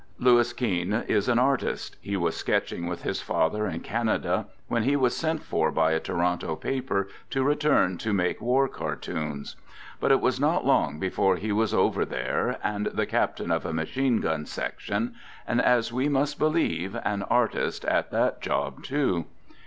Louis Keene is an artist. He was sketching with his father in Canada, when he was sent for by a Toronto paper to return to make war cartoons. But it was not long before he was over there, and the captain of a machine gun section, and, as we must believe, an artist at that job, too.